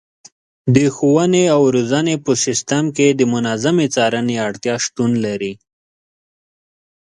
د ښوونې او روزنې په سیستم کې د منظمې څارنې اړتیا شتون لري.